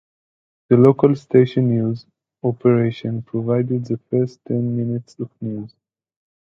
The local station news operation provided the first ten minutes of news.